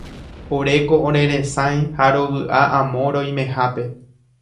Oréko oreresãi ha rovy'a amo roimehápe.